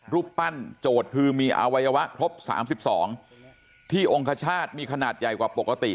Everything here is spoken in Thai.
รูปปั้นโจทย์คือมีอวัยวะครบ๓๒ที่องคชาติมีขนาดใหญ่กว่าปกติ